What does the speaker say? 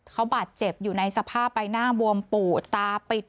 เขาบาดเจ็บอยู่ในสภาพใบหน้าบวมปูดตาปิด